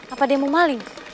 apa dia mau maling